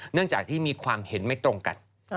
เนื่องจากที่มีความเห็นไม่ตรงกัน